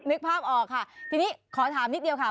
นึกภาพออกค่ะทีนี้ขอถามนิดเดียวค่ะ